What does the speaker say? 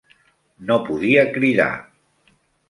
No podia cridar.